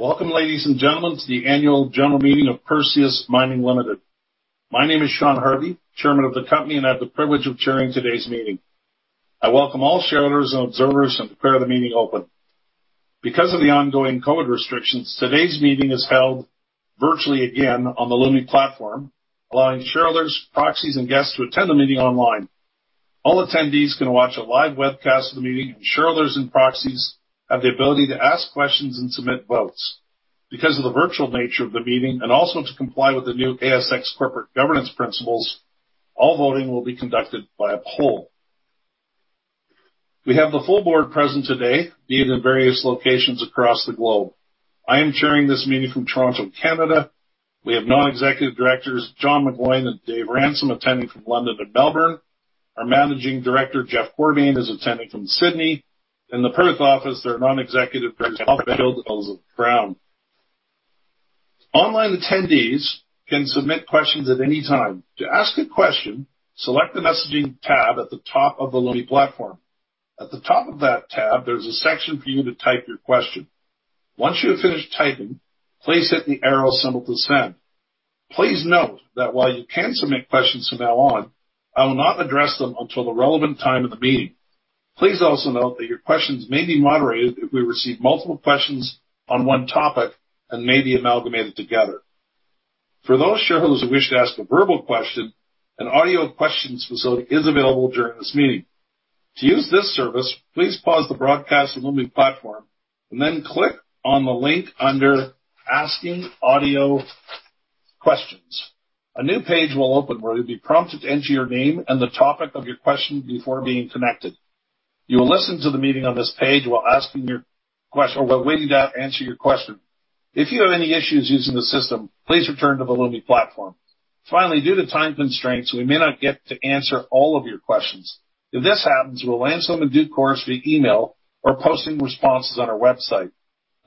Welcome, ladies and gentlemen, to the annual general meeting of Perseus Mining Limited. My name is Sean Harvey, Chairman of the company, and I have the privilege of chairing today's meeting. I welcome all shareholders and observers and declare the meeting open. Because of the ongoing COVID restrictions, today's meeting is held virtually again on the Lumi platform, allowing shareholders, proxies and guests to attend the meeting online. All attendees can watch a live webcast of the meeting, and shareholders and proxies have the ability to ask questions and submit votes. Because of the virtual nature of the meeting, and also to comply with the new ASX corporate governance principles, all voting will be conducted by a poll. We have the full board present today, be it in various locations across the globe. I am chairing this meeting from Toronto, Canada. We have Non-Executive Directors John McGloin and David Ransom attending from London and Melbourne. Our Managing Director, Jeff Quartermaine, is attending from Sydney. In the Perth office, there are non-executive directors. Online attendees can submit questions at any time. To ask a question, select the Messaging tab at the top of the Lumi platform. At the top of that tab, there's a section for you to type your question. Once you have finished typing, please hit the arrow symbol to send. Please note that while you can submit questions from now on, I will not address them until the relevant time of the meeting. Please also note that your questions may be moderated if we receive multiple questions on one topic and may be amalgamated together. For those shareholders who wish to ask a verbal question, an audio questions facility is available during this meeting. To use this service, please pause the broadcast on Lumi platform and then click on the link under Asking Audio Questions. A new page will open, where you'll be prompted to enter your name and the topic of your question before being connected. You will listen to the meeting on this page while waiting to answer your question. If you have any issues using the system, please return to the Lumi platform. Finally, due to time constraints, we may not get to answer all of your questions. If this happens, we'll answer them in due course via email or posting responses on our website.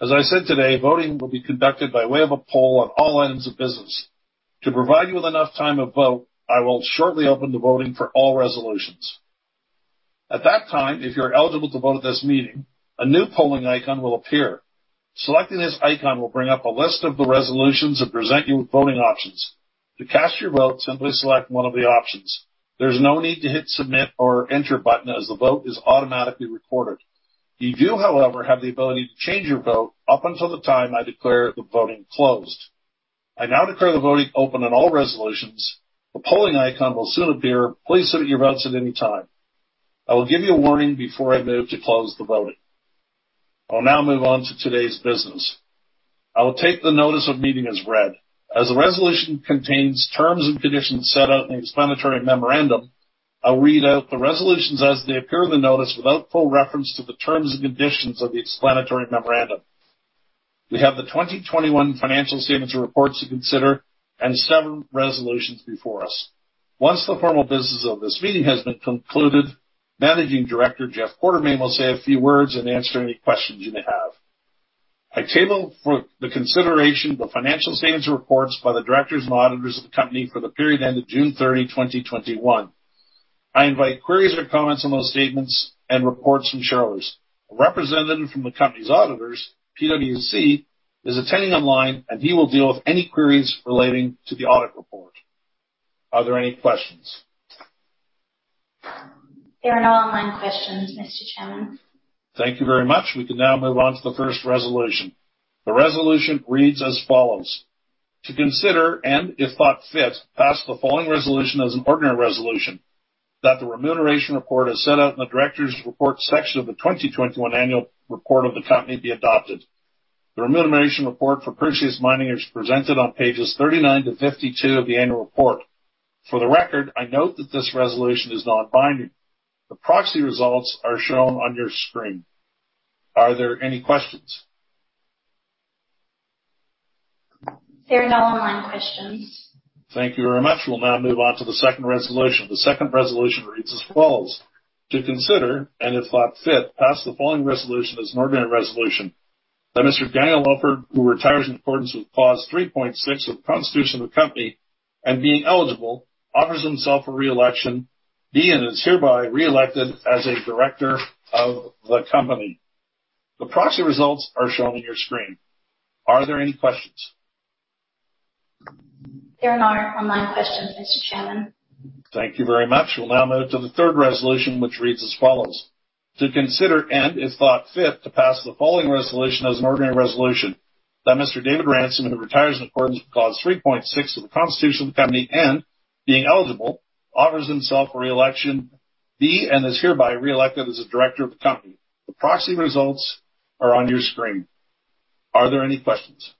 As I said today, voting will be conducted by way of a poll on all items of business. To provide you with enough time to vote, I will shortly open the voting for all resolutions. At that time, if you're eligible to vote at this meeting, a new polling icon will appear. Selecting this icon will bring up a list of the resolutions and present you with voting options. To cast your vote, simply select one of the options. There's no need to hit Submit or Enter button, as the vote is automatically recorded. You do, however, have the ability to change your vote up until the time I declare the voting closed. I now declare the voting open on all resolutions. A polling icon will soon appear. Please submit your votes at any time. I will give you a warning before I move to close the voting. I'll now move on to today's business. I will take the notice of meeting as read. As the resolution contains terms and conditions set out in the explanatory memorandum, I'll read out the resolutions as they appear in the notice, without full reference to the terms and conditions of the explanatory memorandum. We have the 2021 financial statements and reports to consider and seven resolutions before us. Once the formal business of this meeting has been concluded, Managing Director Jeff Quartermaine will say a few words and answer any questions you may have. I table for the consideration the financial statements and reports by the directors and auditors of the company for the period ended June 30, 2021. I invite queries or comments on those statements and reports from shareholders. A representative from the company's auditors, PwC, is attending online, and he will deal with any queries relating to the audit report. Are there any questions? There are no online questions, Mr. Chairman. Thank you very much. We can now move on to the first resolution. The resolution reads as follows, to consider and if thought fit, pass the following resolution as an ordinary resolution that the remuneration report, as set out in the Directors' Report section of the 2021 annual report of the company, be adopted. The Remuneration Report for Perseus Mining is presented on pages 39 to 52 of the annual report. For the record, I note that this resolution is not binding. The proxy results are shown on your screen. Are there any questions? There are no online questions. Thank you very much. We'll now move on to the second resolution. The second resolution reads as follows, to consider and if thought fit, pass the following resolution as an ordinary resolution. That Mr. Daniel Lougher, who retires in accordance with Clause 3.6 of the constitution of the company and being eligible, offers himself for re-election. Be and is hereby re-elected as a director of the company. The proxy results are shown on your screen. Are there any questions? There are no online questions, Mr. Chairman. Thank you very much. We'll now move to the third resolution, which reads as follows, to consider and if thought fit, to pass the following resolution as an ordinary resolution. That Mr. David Ransom, who retires in accordance with Clause 3.6 of the Constitution of the company and being eligible, offers himself for re-election. Be and is hereby re-elected as a director of the company. The proxy results are on your screen. Are there any questions?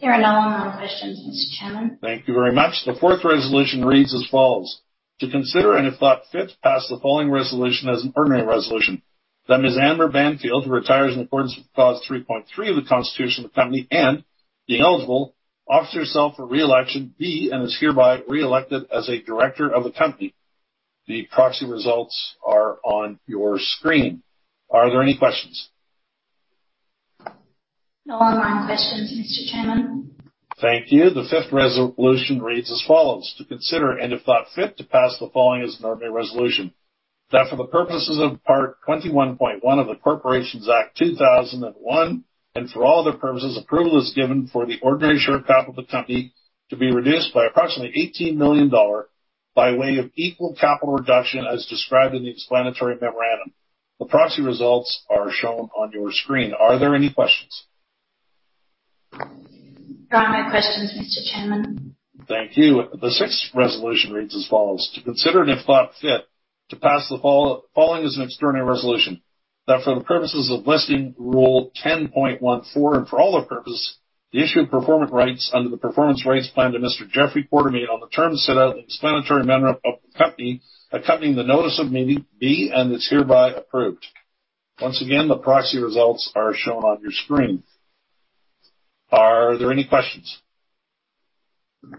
There are no online questions, Mr. Chairman. Thank you very much. The fourth resolution reads as follows, to consider and if thought fit, pass the following resolution as an ordinary resolution. That Ms. Amber Banfield, who retires in accordance with Clause 3.3 of the Constitution of the company and being eligible, offers herself for reelection, be and is hereby re-elected as a director of the company. The proxy results are on your screen. Are there any questions? No online questions, Mr. Chairman. Thank you. The fifth resolution reads as follows, to consider and, if thought fit, to pass the following as an ordinary resolution. That for the purposes of Part 21.1 of the Corporations Act 2001, and for all other purposes, approval is given for the ordinary share capital of the company to be reduced by approximately 18 million dollar by way of equal capital reduction as described in the explanatory memorandum. The proxy results are shown on your screen. Are there any questions? There are no questions, Mr. Chairman. Thank you. The sixth resolution reads as follows, to consider and, if thought fit, to pass the following as an extraordinary resolution. That for the purposes of Listing Rule 10.14, and for all other purposes, the issue of performance rights under the Performance Rights Plan to Mr. Geoffrey Quartermaine on the terms set out in the explanatory memorandum of the company accompanying the notice of meeting be, and is hereby approved. Once again, the proxy results are shown on your screen. Are there any questions? There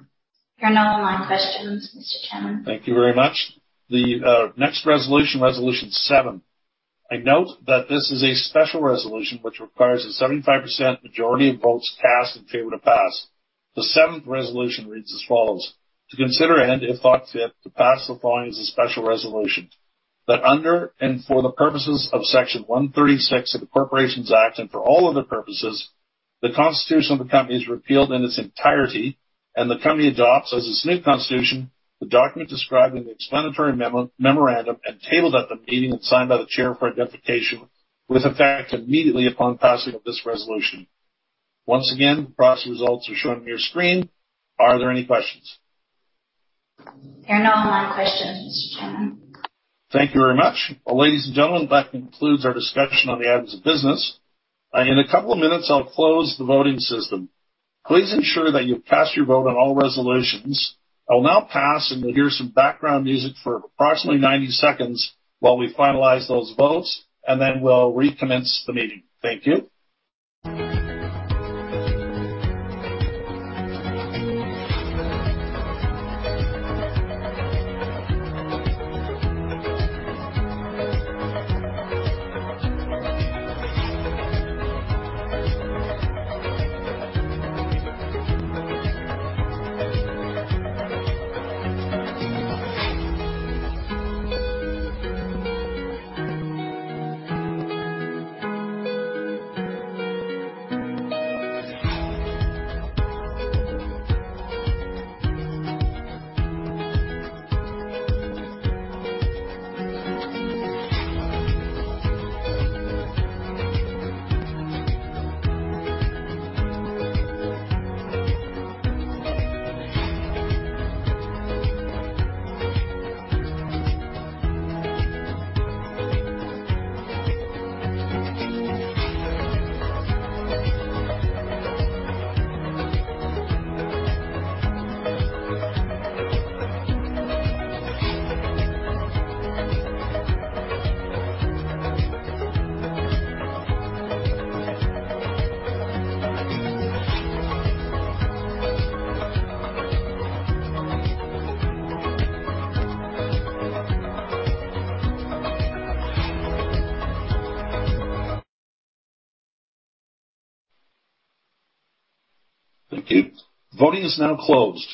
are no online questions, Mr. Chairman. Thank you very much. The next resolution seven. I note that this is a special resolution which requires a 75% majority of votes cast in favor to pass. The seventh resolution reads as follows, to consider and, if thought fit, to pass the following as a special resolution. That under and for the purposes of Section 136 of the Corporations Act, and for all other purposes, the constitution of the company is repealed in its entirety, and the company adopts, as its new constitution, the document described in the explanatory memorandum and tabled at the meeting and signed by the chair for identification, with effect immediately upon passing of this resolution. Once again, the proxy results are shown on your screen. Are there any questions? There are no online questions, Mr. Chairman. Thank you very much. Well, ladies and gentlemen, that concludes our discussion on the items of business. In a couple of minutes, I'll close the voting system. Please ensure that you've cast your vote on all resolutions. I will now pass, and you'll hear some background music for approximately 90 seconds while we finalize those votes, and then we'll recommence the meeting. Thank you. Voting is now closed.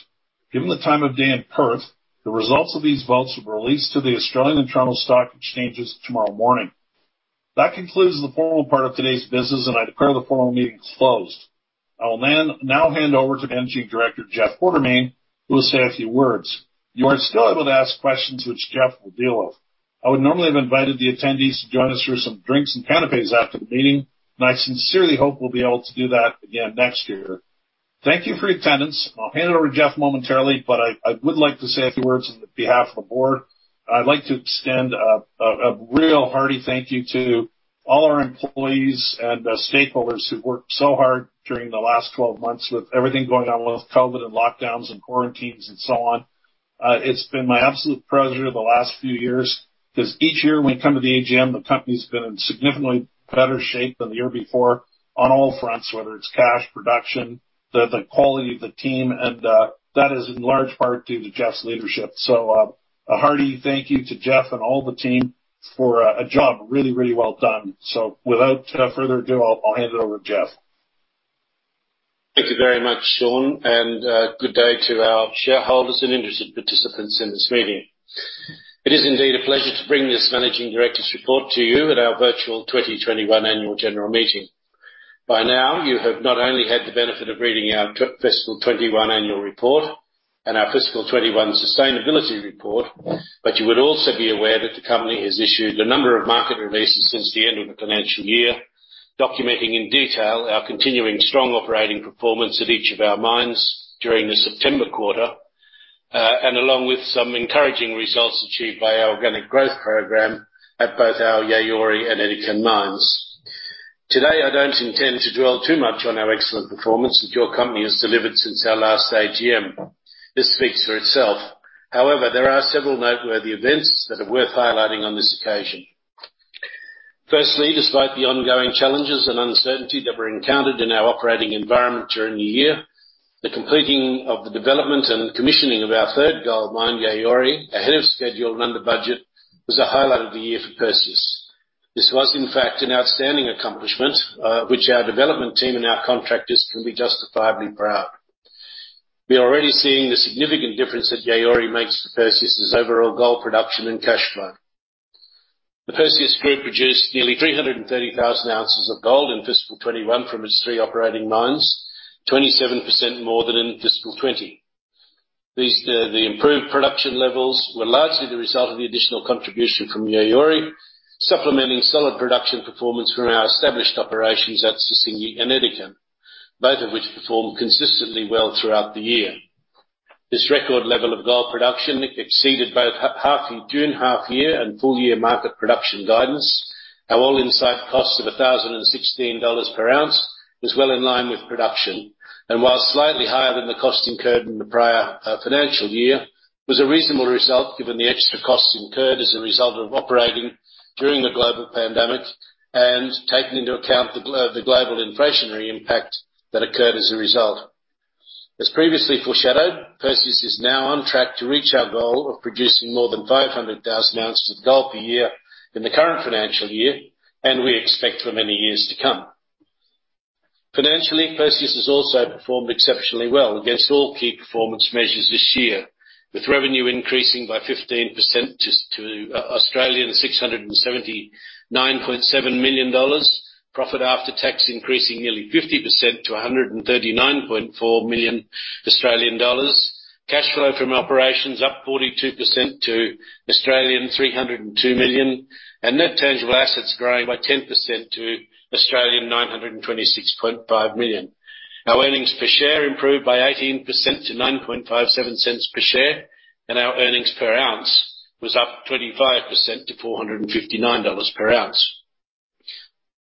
Given the time of day in Perth, the results of these votes will be released to the Australian and international stock exchanges tomorrow morning. That concludes the formal part of today's business, and I declare the formal meeting closed. I will then now hand over to Managing Director Jeff Quartermaine, who will say a few words. You are still able to ask questions, which Jeff will deal with. I would normally have invited the attendees to join us for some drinks and canapés after the meeting, and I sincerely hope we'll be able to do that again next year. Thank you for your attendance. I'll hand it over to Jeff momentarily, but I would like to say a few words on behalf of the board. I'd like to extend a real hearty thank you to all our employees and stakeholders who've worked so hard during the last 12 months with everything going on with COVID and lockdowns and quarantines and so on. It's been my absolute pleasure the last few years, 'cause each year when we come to the AGM, the company's been in significantly better shape than the year before on all fronts, whether it's cash production, the quality of the team, and that is in large part due to Jeff's leadership. A hearty thank you to Jeff and all the team for a job really, really well done. Without further ado, I'll hand it over to Jeff. Thank you very much, Sean, and good day to our shareholders and interested participants in this meeting. It is indeed a pleasure to bring this Managing Director's report to you at our virtual 2021 Annual General Meeting. By now, you have not only had the benefit of reading our fiscal 2021 annual report and our fiscal 2021 sustainability report, but you would also be aware that the company has issued a number of market releases since the end of the financial year, documenting in detail our continuing strong operating performance at each of our mines during the September quarter, and along with some encouraging results achieved by our organic growth program at both our Yaouré and Edikan mines. Today, I don't intend to dwell too much on our excellent performance that your company has delivered since our last AGM. This speaks for itself. However, there are several noteworthy events that are worth highlighting on this occasion. Firstly, despite the ongoing challenges and uncertainty that were encountered in our operating environment during the year, the completing of the development and commissioning of our third gold mine, Yaouré, ahead of schedule and under budget, was a highlight of the year for Perseus. This was in fact an outstanding accomplishment, which our development team and our contractors can be justifiably proud. We are already seeing the significant difference that Yaouré makes to Perseus' overall gold production and cash flow. The Perseus group produced nearly 330,000 ounces of gold in fiscal 2021 from its three operating mines, 27% more than in fiscal 2020. The improved production levels were largely the result of the additional contribution from Yaouré, supplementing solid production performance from our established operations at Sissingué and Edikan, both of which performed consistently well throughout the year. This record level of gold production exceeded both half-year, June half-year and full-year market production guidance. Our all-in site cost of $1,016 per ounce was well in line with production, and while slightly higher than the cost incurred in the prior financial year, was a reasonable result given the extra costs incurred as a result of operating during the global pandemic and taking into account the global inflationary impact that occurred as a result. As previously foreshadowed, Perseus is now on track to reach our goal of producing more than 500,000 ounces of gold per year in the current financial year, and we expect for many years to come. Financially, Perseus has also performed exceptionally well against all key performance measures this year, with revenue increasing by 15% to 679.7 million Australian dollars, profit after tax increasing nearly 50% to 139.4 million Australian dollars, cash flow from operations up 42% to 302 million Australian dollars, and net tangible assets growing by 10% to 926.5 million Australian dollars. Our earnings per share improved by 18% to 0.0957 per share, and our earnings per ounce was up 25% to $459 per ounce.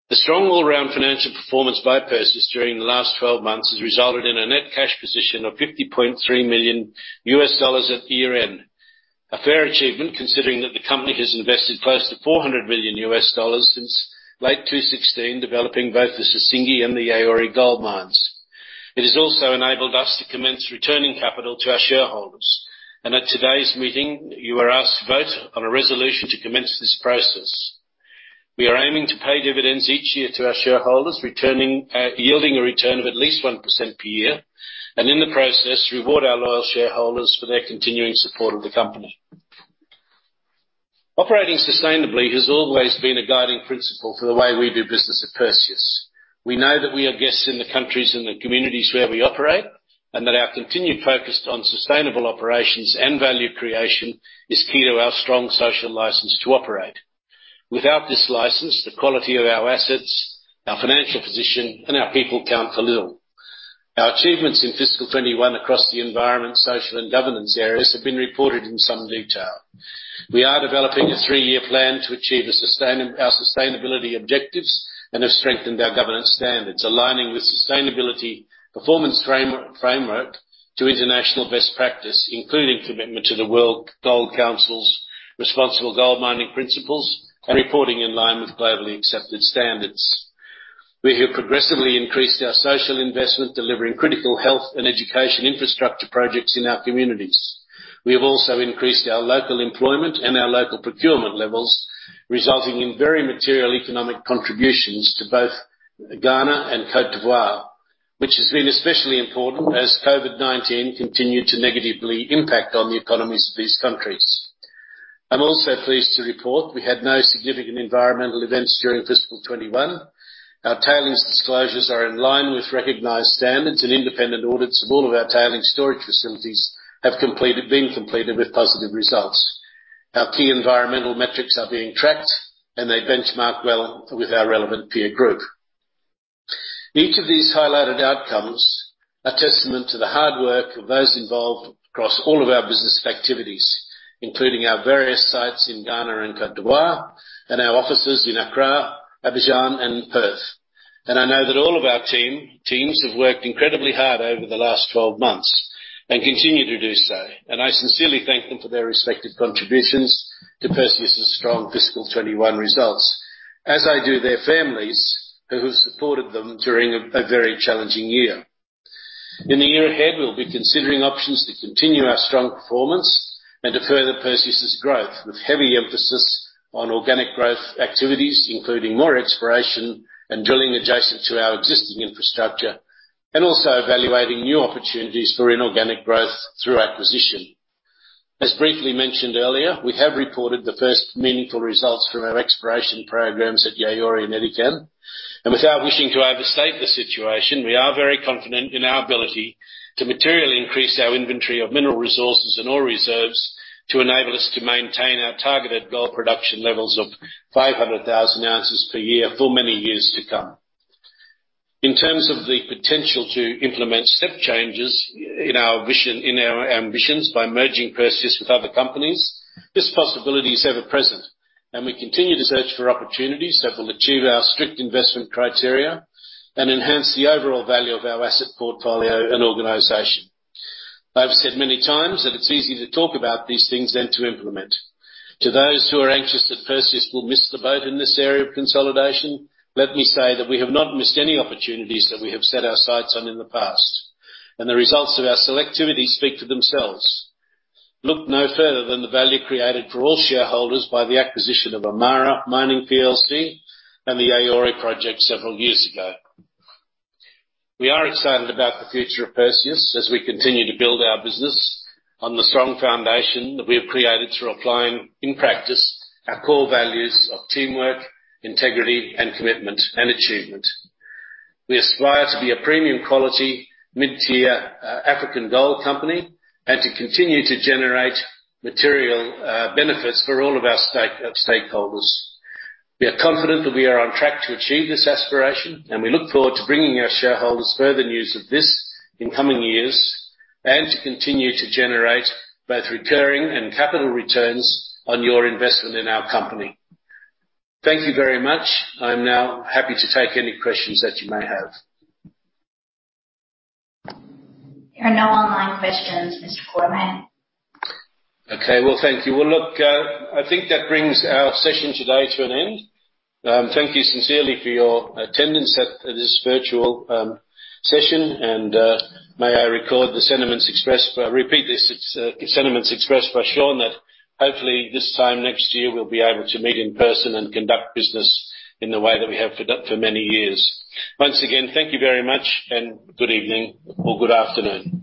The strong all-around financial performance by Perseus during the last 12 months has resulted in a net cash position of $50.3 million at year-end. A fair achievement, considering that the company has invested close to $400 million since late 2016, developing both the Sissingué and the Yaouré gold mines. It has also enabled us to commence returning capital to our shareholders. At today's meeting, you were asked to vote on a resolution to commence this process. We are aiming to pay dividends each year to our shareholders, returning, yielding a return of at least 1% per year, and in the process, reward our loyal shareholders for their continuing support of the company. Operating sustainably has always been a guiding principle for the way we do business at Perseus. We know that we are guests in the countries and the communities where we operate, and that our continued focus on sustainable operations and value creation is key to our strong social license to operate. Without this license, the quality of our assets, our financial position, and our people count for little. Our achievements in fiscal 2021 across the environment, social, and governance areas have been reported in some detail. We are developing a three-year plan to achieve our sustainability objectives and have strengthened our governance standards, aligning with sustainability performance framework to international best practice, including commitment to the World Gold Council's Responsible Gold Mining Principles and reporting in line with globally accepted standards. We have progressively increased our social investment, delivering critical health and education infrastructure projects in our communities. We have also increased our local employment and our local procurement levels, resulting in very material economic contributions to both Ghana and Côte d'Ivoire, which has been especially important as COVID-19 continued to negatively impact on the economies of these countries. I'm also pleased to report we had no significant environmental events during fiscal 2021. Our tailings disclosures are in line with recognized standards and independent audits of all of our tailings storage facilities are being completed with positive results. Our key environmental metrics are being tracked, and they benchmark well with our relevant peer group. Each of these highlighted outcomes are testament to the hard work of those involved across all of our business activities, including our various sites in Ghana and Côte d'Ivoire and our offices in Accra, Abidjan, and Perth. I know that all of our teams have worked incredibly hard over the last 12 months and continue to do so. I sincerely thank them for their respective contributions to Perseus' strong fiscal 2021 results, as I do their families who have supported them during a very challenging year. In the year ahead, we'll be considering options to continue our strong performance and to further Perseus' growth with heavy emphasis on organic growth activities, including more exploration and drilling adjacent to our existing infrastructure, and also evaluating new opportunities for inorganic growth through acquisition. As briefly mentioned earlier, we have reported the first meaningful results from our exploration programs at Yaouré and Edikan. Without wishing to overstate the situation, we are very confident in our ability to materially increase our inventory of mineral resources and ore reserves to enable us to maintain our targeted gold production levels of 500,000 ounces per year for many years to come. In terms of the potential to implement step changes in our ambitions by merging Perseus with other companies, this possibility is ever present, and we continue to search for opportunities that will achieve our strict investment criteria and enhance the overall value of our asset portfolio and organization. I've said many times that it's easy to talk about these things than to implement. To those who are anxious that Perseus will miss the boat in this area of consolidation, let me say that we have not missed any opportunities that we have set our sights on in the past, and the results of our selectivity speak to themselves. Look no further than the value created for all shareholders by the acquisition of Amara Mining plc and the Yaouré project several years ago. We are excited about the future of Perseus as we continue to build our business on the strong foundation that we have created through applying, in practice, our core values of teamwork, integrity, and commitment and achievement. We aspire to be a premium quality, mid-tier African gold company and to continue to generate material benefits for all of our stakeholders. We are confident that we are on track to achieve this aspiration, and we look forward to bringing our shareholders further news of this in coming years, and to continue to generate both recurring and capital returns on your investment in our company. Thank you very much. I'm now happy to take any questions that you may have. There are no online questions, Mr. Quartermaine. Okay. Well, thank you. Well, look, I think that brings our session today to an end. Thank you sincerely for your attendance at this virtual session. May I repeat the sentiments expressed by Sean that hopefully this time next year, we'll be able to meet in person and conduct business in the way that we have for many years. Once again, thank you very much and good evening or good afternoon.